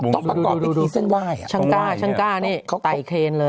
ต้องประกอบพิธีเส้นไหว้ช่างก้าช่างก้าเนี้ยเขาต่ายเคลนเลย